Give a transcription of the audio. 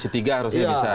komisi tiga harusnya bisa ya